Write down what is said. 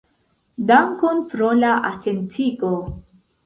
Dankon pro la atentigo!